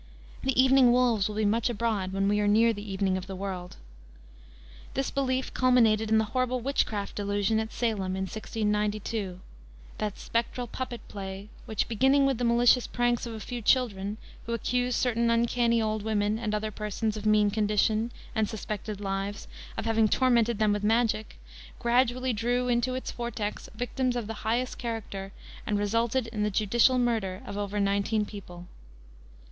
The evening wolves will be much abroad when we are near the evening of the world." This belief culminated in the horrible witchcraft delusion at Salem in 1692, that "spectral puppet play," which, beginning with the malicious pranks of a few children who accused certain uncanny old women and other persons of mean condition and suspected lives of having tormented them with magic, gradually drew into its vortex victims of the highest character, and resulted in the judicial murder of over nineteen people.